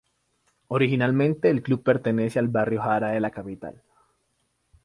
Originalmente el Club pertenece al Barrio Jara de la capital.